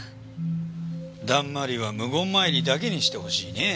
だんまりは無言参りだけにしてほしいねえ。